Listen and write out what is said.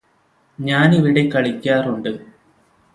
ഞാനിവിടെ കളിക്കാറുണ്ട്